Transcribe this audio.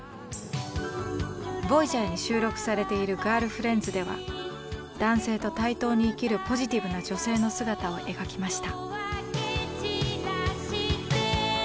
「ＶＯＹＡＧＥＲ」に収録されている「ガールフレンズ」では男性と対等に生きるポジティブな女性の姿を描きました。